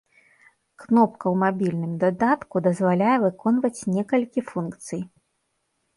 Кнопка ў мабільным дадатку дазваляе выконваць некалькі функцый.